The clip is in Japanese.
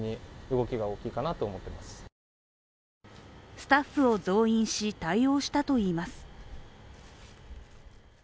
スタッフを増員し、対応したといいます。